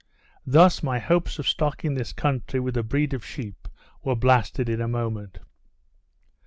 Thus my hopes of stocking this country with a breed of sheep, were blasted in a moment.